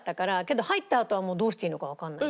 けど入ったあとはもうどうしていいのかわかんない。